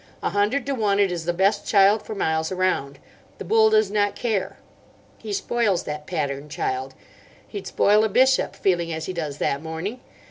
A hundred to one it is the best child for miles around. The bull does not care. He spoils that pattern child. He'd spoil a bishop, feeling as he does that morning.